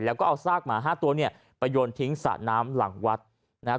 แล้วก็เอาซากหมาห้าตัวเนี่ยไปโยนทิ้งสระน้ำหลังวัดนะครับ